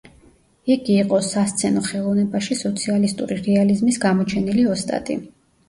იგი იყო სასცენო ხელოვნებაში სოციალისტური რეალიზმის გამოჩენილი ოსტატი.